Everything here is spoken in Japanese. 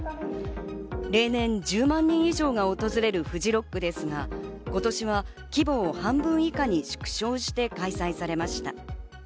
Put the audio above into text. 例年１０万人以上が訪れるＦＵＪＩＲＯＣＫですが、今年は規模を半分以下に縮小して開催されました。